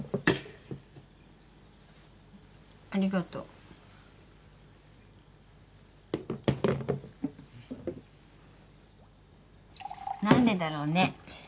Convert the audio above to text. ありがとう。何でだろうね。